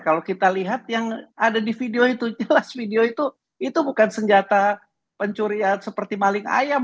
kalau kita lihat yang ada di video itu jelas video itu itu bukan senjata pencurian seperti maling ayam